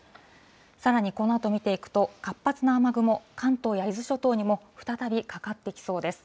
さらにこのあと見ていくと、活発な雨雲、関東や伊豆諸島にも再びかかってきそうです。